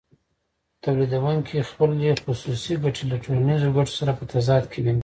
تولیدونکی خپلې خصوصي ګټې له ټولنیزو ګټو سره په تضاد کې ویني